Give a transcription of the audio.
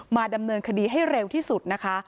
ดำเนินคดีให้เร็วที่สุดนะคะ